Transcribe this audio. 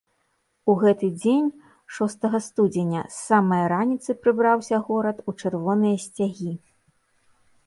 У гэты дзень, б студня, з самае раніцы прыбраўся горад у чырвоныя сцягі.